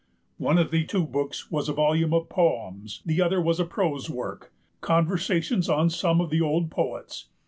One of the two books was a volume of poems; the other was a prose work, Conversations on Some of the Old Poets.